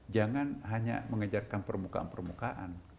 jangan hanya mengejarkan permukaan permukaan